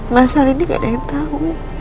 masalah ini nggak ada yang tahu